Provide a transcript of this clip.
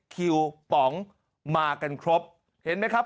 คิวป๋องมากันครบเห็นไหมครับ